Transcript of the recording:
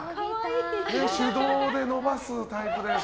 手動で伸ばすタイプです。